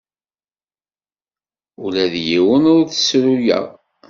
Ula d yiwen ur t-ssruyeɣ.